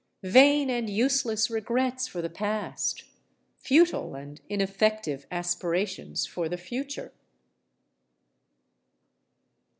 Vain and useless regrets for the past!—futile and ineffective aspirations for the future!